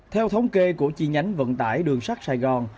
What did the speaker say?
theo thống kê của chi nhánh vận tải đường sắt sài gòn